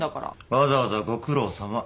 わざわざご苦労さま。